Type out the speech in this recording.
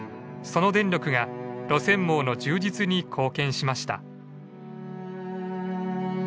その電力が路線網の充実に貢献しました。